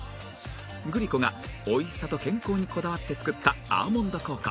グリコが美味しさと健康にこだわって作ったアーモンド効果